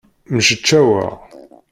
Mceččaweɣ.